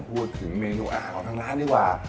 พูดถึงเมนูอาหารของทางร้านดีกว่า